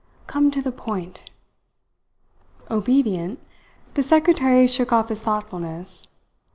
"Come to the point." Obedient, the secretary shook off his thoughtfulness.